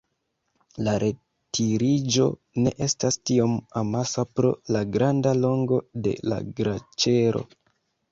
La retiriĝo ne estas tiom amasa pro la granda longo de la glaĉero.